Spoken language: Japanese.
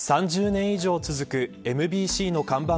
３０年以上続くＭＢＣの看板